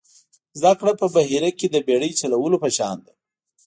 زده کړه په بحیره کې د بېړۍ چلولو په شان ده.